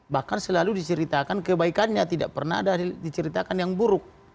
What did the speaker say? bahkan selalu diceritakan kebaikannya tidak pernah ada diceritakan yang buruk